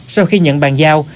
sau khi nhận bàn giao